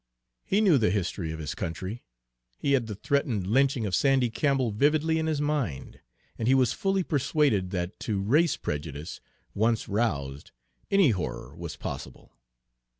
He knew the history of his country; he had the threatened lynching of Sandy Campbell vividly in mind; and he was fully persuaded that to race prejudice, once roused, any horror was possible.